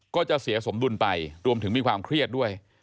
ก็จะเสียสมดุลไปรวมถึงมีความเครียดด้วย